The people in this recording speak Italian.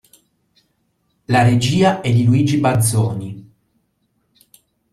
La regia è di Luigi Bazzoni.